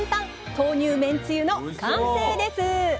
「豆乳めんつゆ」の完成です！